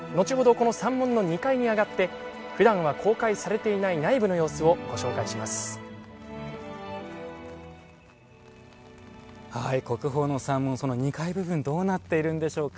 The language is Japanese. この三門の２階に上がってふだんは公開されていない内部の様子を国宝の三門その２階部分どうなっているんでしょうか。